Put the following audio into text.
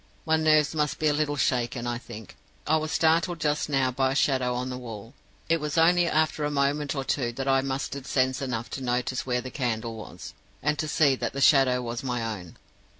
My nerves must be a little shaken, I think. I was startled just now by a shadow on the wall. It was only after a moment or two that I mustered sense enough to notice where the candle was, and to see that the shadow was my own.